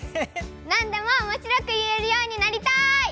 なんでもおもしろく言えるようになりたい！